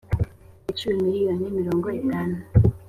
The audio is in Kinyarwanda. yaciwe miliyoni mirongo itanu